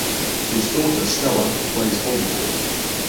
His daughter, Stela, plays volleyball.